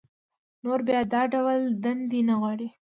نور بيا دا ډول دندې نه غواړي